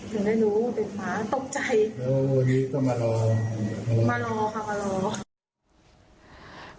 ถึงได้รู้เป็นหมาตกใจต้องมารอมารอค่ะมารอ